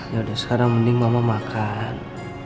ya udah sekarang mending mama makan